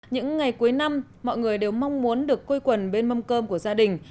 những ngày cuối năm mọi người đều mong muốn được quây quần bên mâm cơm của gia đình